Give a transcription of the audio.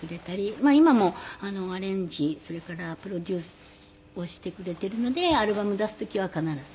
今もアレンジそれからプロデュースをしてくれているのでアルバム出す時は必ず。